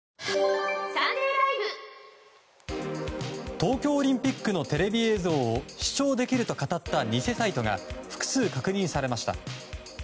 東京オリンピックのテレビ映像を視聴できるとかたった偽サイトが複数確認されました。